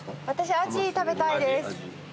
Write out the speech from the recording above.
私あじ食べたいです。